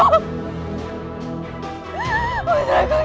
putraku kian santan